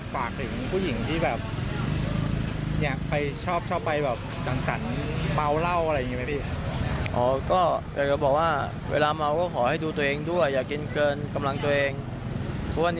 เค้าไม่ใช่แบบผมคือแหละเสียเกิดเพราะหรือเสียอะไรดีกว่า